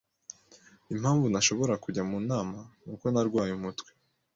Impamvu ntashobora kujya mu nama ni uko narwaye umutwe cyane.